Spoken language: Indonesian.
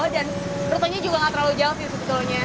dan rutenya juga gak terlalu jauh sih sebetulnya